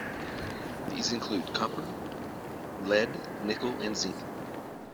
These include copper, lead, nickel and zinc.